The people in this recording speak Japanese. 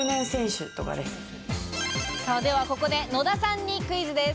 ではここで野田さんにクイズです。